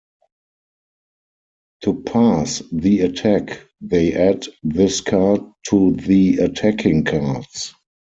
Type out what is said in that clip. To pass the attack, they add this card to the attacking cards.